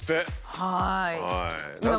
はい。